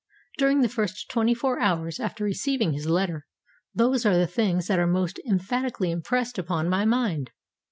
During the first twenty four hours after receiving his letter, those are the things that are most emphatically impressed upon my mind.